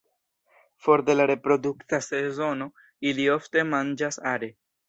For de la reprodukta sezono, ili ofte manĝas are.